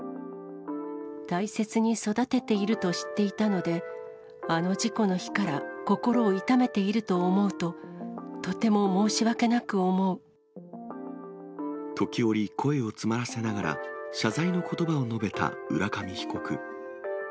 大切に育てていると知っていたので、あの事故の日から、心を痛めていると思うと、とても申し訳なく思時折、声を詰まらせながら、謝罪のことばを述べた浦上被告。